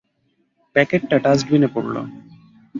প্যাকেটটা ডাষ্টবিনে পড়ল।